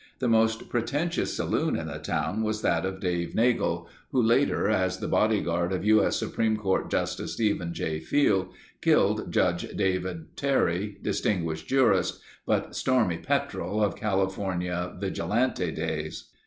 The most pretentious saloon in the town was that of Dave Nagle, who later as the bodyguard of U. S. Supreme Court Justice Stephen J. Field, killed Judge David Terry, distinguished jurist, but stormy petrel of California Vigilante days.